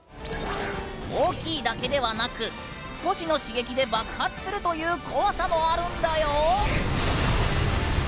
大きいだけではなく少しの刺激で爆発するという怖さもあるんだよ。